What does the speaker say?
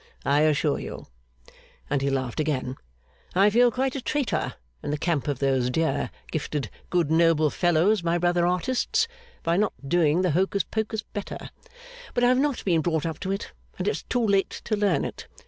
I assure you,' and he laughed again, 'I feel quite a traitor in the camp of those dear, gifted, good, noble fellows, my brother artists, by not doing the hocus pocus better. But I have not been brought up to it, and it's too late to learn it.